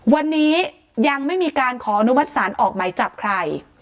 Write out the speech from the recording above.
วันนี้ยังไม่มีการขออนุมัติศาลออกไหมจับใคร